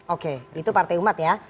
oke itu partai umat ya